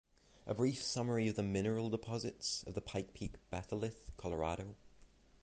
A Brief Summary of the Mineral Deposits of the Pikes Peak Batholith, Colorado.